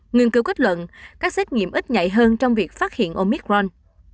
nghiên cứu kết luận các xét nghiệm ít nhạy hơn trong việc phát hiện omicron